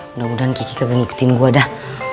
mudah mudahan kiki kegeng ikutin gue dah